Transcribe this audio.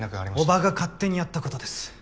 叔母が勝手にやったことです。